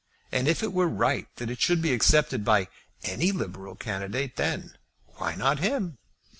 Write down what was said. And if it were right that it should be accepted by any liberal candidate, then, why not by him?